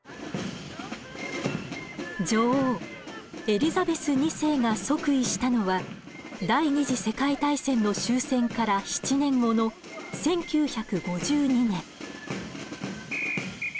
エリザベス２世が即位したのは第２次世界大戦の終戦から７年後の１９５２年。